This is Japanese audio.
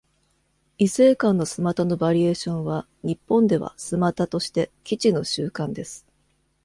異性間の素股のバリエーションは、日本では「スマタ」として既知の習慣です。